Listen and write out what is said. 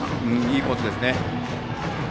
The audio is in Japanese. いいコースですね。